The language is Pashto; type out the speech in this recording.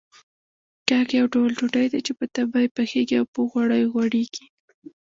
کاک يو ډول ډوډۍ ده چې په تبۍ پخېږي او په غوړيو غوړېږي.